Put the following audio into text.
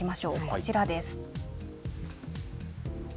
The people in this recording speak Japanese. こちらです。